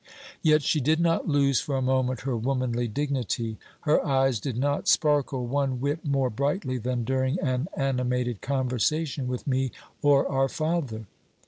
Yet she did not lose for a moment her womanly dignity; her eyes did not sparkle one whit more brightly than during an animated conversation with me or our father.